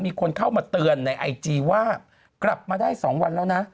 มีคนเข้ามาเตือนในไอจีว่ากลับมาได้๒วันแล้วนะ